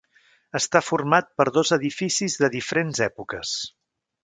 Està format per dos edificis de diferents èpoques.